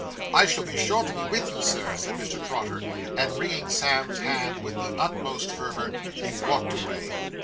'I shall be sure to be with you, sir,' said Mr. Trotter; and wringing Sam's hand with the utmost fervour, he walked away.